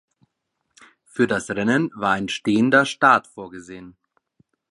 Für das Rennen war ein stehender Start vorgesehen.